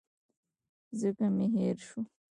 ځکه مي هېر شو .